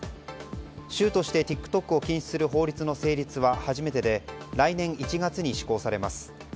州としてＴｉｋＴｏｋを禁止する法律の成立は初めてで来年１月に施行されます。